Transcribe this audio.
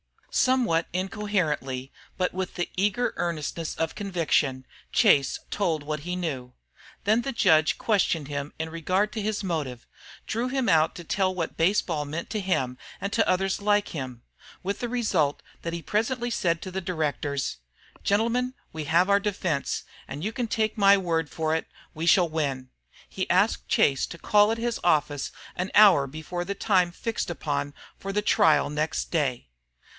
Somewhat incoherently, but with the eager earnestness of conviction, Chase told what he knew. Then the judge questioned him in regard to his motive, drew him out to tell what baseball meant to him and to others like him, with the result that he presently said to the directors: "Gentlemen, we have our defence and you may take my word for it, we shall win." He asked Chase to call at his office an hour before the time fixed upon for the trial next day.